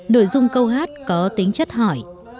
nội dung câu hát có tính chất của người hát